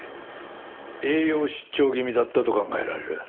栄養失調気味だったと考えられる。